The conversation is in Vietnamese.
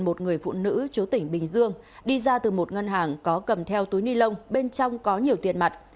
một người phụ nữ chú tỉnh bình dương đi ra từ một ngân hàng có cầm theo túi ni lông bên trong có nhiều tiền mặt